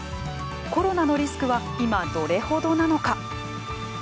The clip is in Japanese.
コロナのリスクは今どれほどなのか。